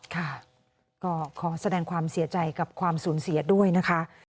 ค่ะก็ขอแสดงความเสียใจกับความสูญเสียด้วยนะคะ